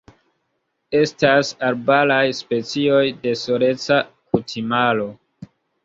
Estas arbaraj specioj de soleca kutimaro.